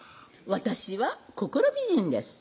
「私は心美人です」